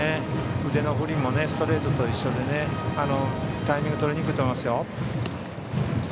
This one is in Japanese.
腕の振りもストレートと一緒でタイミングがとりにくいと思いますよ。